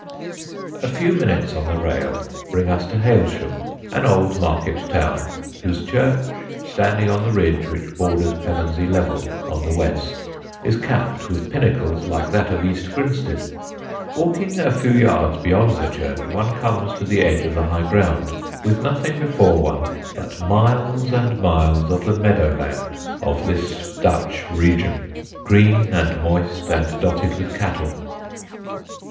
A few minutes on the rail bring us to Hailsham, an old market town, whose church, standing on the ridge which borders Pevensey Level on the west, is capped with pinnacles like that of East Grinstead. Walking a few yards beyond the church one comes to the edge of the high ground, with nothing before one but miles and miles of the meadow land of this Dutch region, green and moist and dotted with cattle.